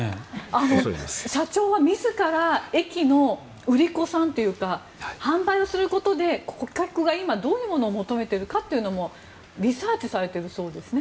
社長は自ら駅の売り子さんというか販売をすることで顧客がどういうものを求めてるかリサーチされてるそうですね。